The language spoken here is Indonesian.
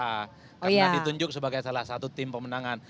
karena ditunjuk sebagai salah satu tim pemenangan